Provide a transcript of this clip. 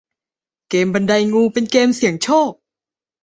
เกมส์บันไดงูเป็นเกมส์เสี่ยงโชค